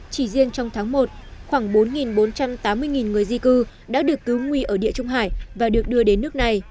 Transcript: chỉ riêng trong tháng một khoảng bốn bốn trăm tám mươi người di cư đã được cứu nguy ở địa trung hải và được đưa đến nước này